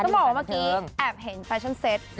ต้องบอกว่าเมื่อกี้แอบเห็นแฟชั่นเซ็ต